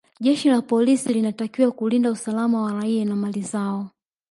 jeshi la polisi linatakiwa kulinda usalama wa raia na mali zao